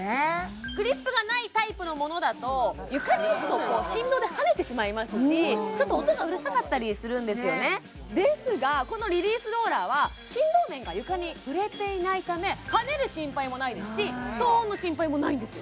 グリップがないタイプのものだと床に置くとこう振動で跳ねてしまいますしちょっと音がうるさかったりするんですよねですがこのリリースローラーは振動面が床に触れていないため跳ねる心配もないですし騒音の心配もないんですよ